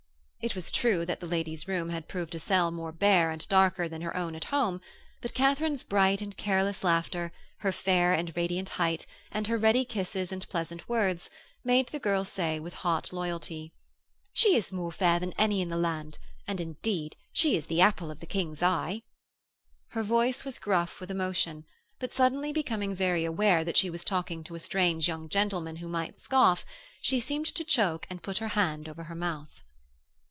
It was true that the lady's room had proved a cell more bare and darker than her own at home, but Katharine's bright and careless laughter, her fair and radiant height, and her ready kisses and pleasant words, made the girl say with hot loyalty: 'She is more fair than any in the land, and, indeed, she is the apple of the King's eye.' Her voice was gruff with emotion, but, suddenly becoming very aware that she was talking to a strange young gentleman who might scoff, she seemed to choke and put her hand over her mouth.